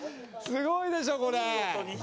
すごいでしょ、これ。